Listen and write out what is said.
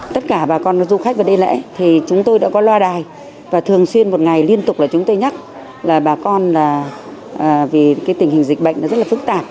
tất cả bà con du khách vào đây lễ thì chúng tôi đã có loa đài và thường xuyên một ngày liên tục là chúng tôi nhắc là bà con là vì tình hình dịch bệnh rất là phức tạp